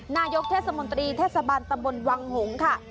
นายกเทศมนตรีเทศบาลตำบลวังหงค่ะ